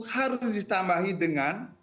harus ditambahi dengan